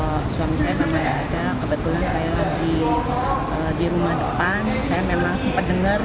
kalau suami saya kan mulai ada kebetulan saya lagi di rumah depan saya memang sempat dengar